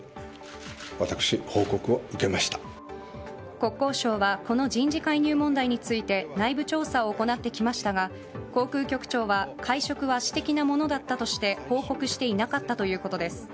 国交省はこの人事移入問題について内部調査を行ってきましたが航空局長は会食は私的なものだったとして報告していなかったということです。